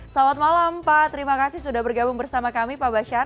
selamat malam pak terima kasih sudah bergabung bersama kami pak basyar